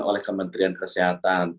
oleh kementerian kesehatan